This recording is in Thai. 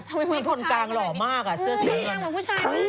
ทำไมมีคนกลางหล่อมากอ่ะเสื้อสีน้ำน้ำ